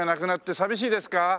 寂しいです。